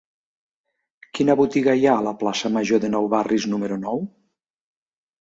Quina botiga hi ha a la plaça Major de Nou Barris número nou?